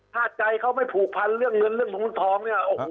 ถ้าใจเขาไม่ผูกพันเรื่องเงินเรื่องของมันท้องเนี่ยโอ้โหมันเต็มที่นะ